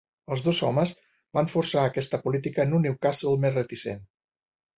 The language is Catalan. Els dos homes van forçar aquesta política en un Newcastle més reticent.